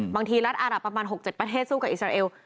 บางทีรัฐอารับประมาณ๖๗ประเทศสู้กับอิสราเอล